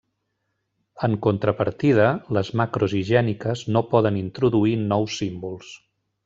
En contrapartida, les macros higièniques no poden introduir nous símbols.